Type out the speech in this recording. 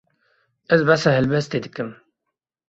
Ez behsa helbestê dikim.